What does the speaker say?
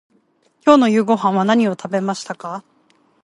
今日の夕ごはんは何を食べましたか。